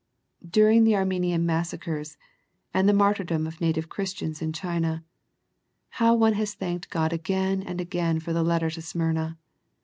During the Armenian massa cres, and the martyrdom of native Christians in China, how one has thanked God again and again for the letter to Smyrna.